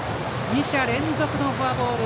２者連続のフォアボール。